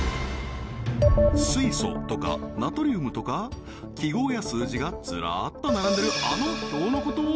水素とかナトリウムとか記号や数字がずらっと並んでるあの表のこと？